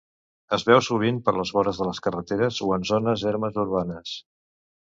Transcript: Es veu sovint per les vores de les carreteres o en zones ermes urbanes.